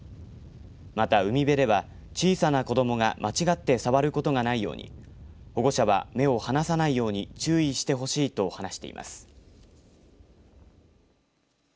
また、海辺では小さな子どもが間違って触ることがないように保護者は目を離さないように注意してほしいと話しています。